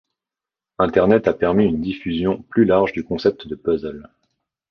Internet a permis une diffusion plus large du concept de puzzle.